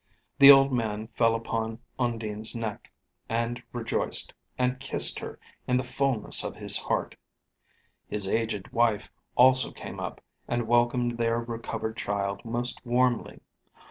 The old man fell upon Undine's neck, and rejoiced, and kissed her in the fulness of his heart; his aged wife also came up, and welcomed their recovered child most warmly.